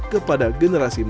kepada generasi kita